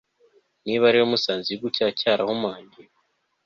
niba rero musanze igihugu cyanyu cyarahumanye